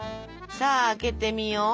さあ開けてみよう。